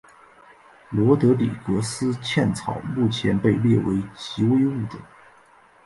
罗德里格斯茜草目前被列为极危物种。